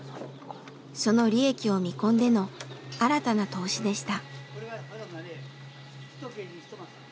その利益を見込んでの新たな投資でした。